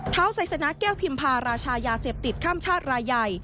ไซสนาแก้วพิมพาราชายาเสพติดข้ามชาติรายใหญ่